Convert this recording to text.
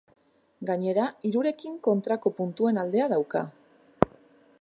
Gainera, hirurekin kontrako puntuen aldea dauka.